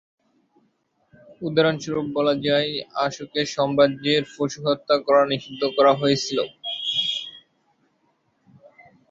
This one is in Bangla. উদাহরণস্বরূপ বলা যায়, অশোকের সাম্রাজ্যের পশুহত্যা করা নিষিদ্ধ করা হয়েছিল।